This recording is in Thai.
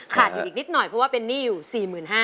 อยู่อีกนิดหน่อยเพราะว่าเป็นหนี้อยู่๔๕๐๐